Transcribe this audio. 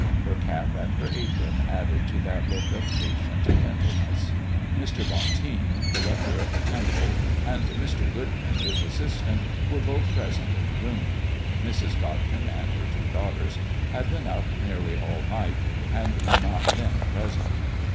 Her cap and her apron added to that look of patient gentleness. Mr. Bonteen, the rector of the temple, and Mr. Goodman, his assistant, were both present in the room. Mrs. Godkin and her two daughters had been up nearly all night and were not then present.